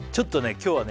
今日はね